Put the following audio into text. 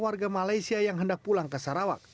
warga malaysia yang hendak pulang ke sarawak